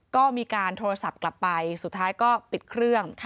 ก็มีการโทรศัพท์กลับไปสุดท้ายก็ปิดเครื่อง